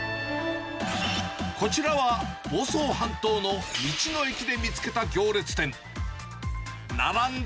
こちらは房総半島の道の駅で見つけた行列店。